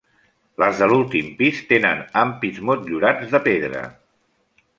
Les de l'últim pis tenen ampits motllurats de pedra.